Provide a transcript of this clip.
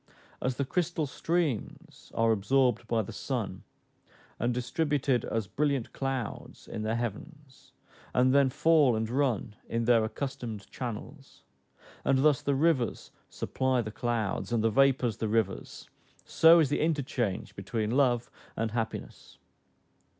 As the crystal streams are absorbed by the sun, and distributed as brilliant clouds in the heavens, and then fall and run in their accustomed channels, and thus the rivers supply the clouds, and the vapors the rivers, so is the interchange between love and happiness.